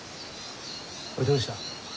おいどうした？うう。